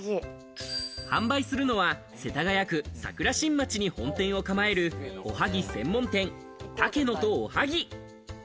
販売するのは世田谷区桜新町に本店を構えるおはぎ専門店、タケノとおはぎ。